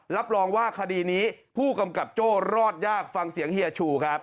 รับรองว่าคดีนี้ผู้กำกับโจ้รอดยากฟังเสียงเฮียชูครับ